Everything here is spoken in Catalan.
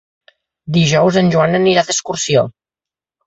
Dijous en Joan anirà d'excursió.